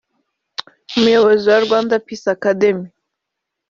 Umuyobozi wa Rwanda Peace Academy